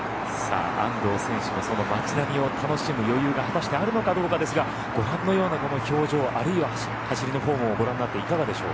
安藤選手もその街並みを楽しむ余裕が果たしてあるのかどうかですがご覧のようなこの表情あるいは走りのほうをご覧になっていかがでしょう？